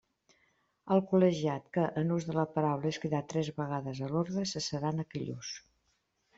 El col·legiat que, en ús de la paraula, és cridat tres vegades a l'ordre, cessarà en aquell ús.